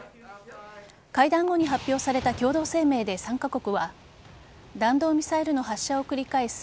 会談後に発表された共同声明で３カ国は弾道ミサイルの発射を繰り返す